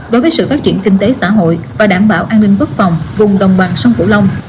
đối với sự phát triển kinh tế xã hội và đảm bảo an ninh quốc phòng vùng đồng bằng sông cửu long